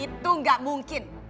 itu gak mungkin